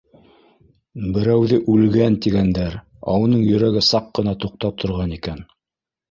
Берәүҙе үлгән, тигәндәр, ә уның йөрәге саҡ ҡына туҡтап торған икән.